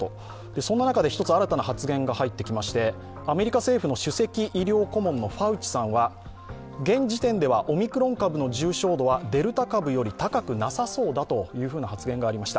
そんな中で１つ、新たな発言が入ってきまして、アメリカの首席医療顧問、ファウチさんは、オミクロン株の重症度はデルタ株より高くなさそうだという発言がありました。